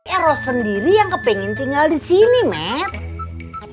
eros sendiri yang kepengen tinggal disini matt